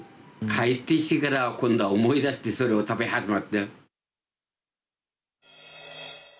帰ってきてから、今度は思い出して、それを食べ始めてしまって。